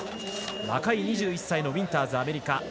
若い２１歳のウィンターズ、アメリカ。